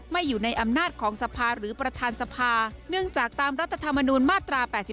อยู่ในอำนาจของสภาหรือประธานสภาเนื่องจากตามรัฐธรรมนูญมาตรา๘๔